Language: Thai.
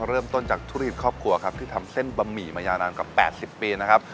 เริ่มต้นจากธุรกิจครอบครัวครับที่ทำเส้นบะหมี่มายาวนานกว่า๘๐ปีนะครับ